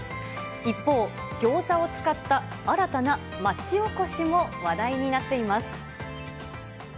一方、餃子を使った新たな町おこしも話題になっています。